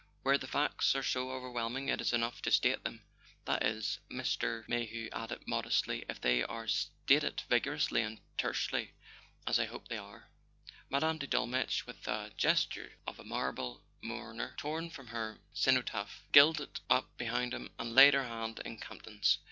Where the facts are so overwhelming it is enough to state them; that is," Mr. [ 203 ] A SON AT THE FRONT Mayhew added modestly, "if they are stated vigor¬ ously and tersely—as I hope they are." Mme. de Dolmetsch, with the gesture of a marble mourner torn from her cenotaph, glided up behind him and laid her hand in Campton's.